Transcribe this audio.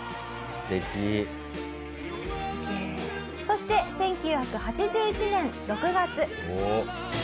そして１９８１年６月。